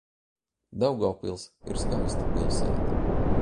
Daugavpils ir skaista pilsēta.